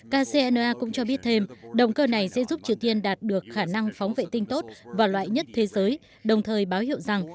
kcna cũng cho biết thêm động cơ này sẽ giúp triều tiên đạt được khả năng phóng vệ tinh tốt và loại nhất thế giới đồng thời báo hiệu rằng